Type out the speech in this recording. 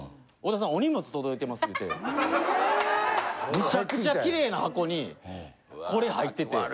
めちゃくちゃ綺麗な箱にこれ入ってて。